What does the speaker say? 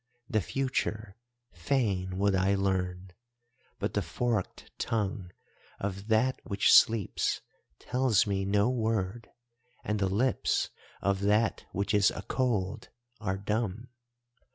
The future fain would I learn, but the forked tongue of That which sleeps tells me no word, and the lips of That which is a cold are dumb!